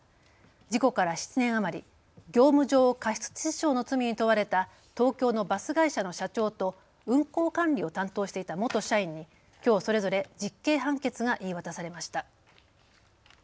事故から７年余り、業務上過失致死傷の罪に問われた東京のバス会社の社長と運行管理を担当していた元社員にきょうそれぞれ実刑判決が言い渡されました。